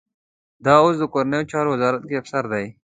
دی اوس د کورنیو چارو وزارت کې افسر دی.